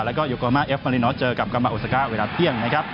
แล้วก็โยโกมาเอฟมารินอทเจอกับกัมมาโอซาคาเวลาเตียง